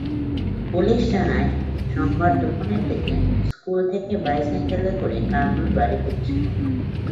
Police জানায়, সোমবার দুপুরের দিকে স্কুল থেকে বাইসাইকেলে করে কামরুল বাড়ি ফিরছিলেন।